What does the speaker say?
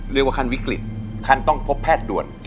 เรียกว่าคันวิกฤตคันต้องพบแพทย์ด่วน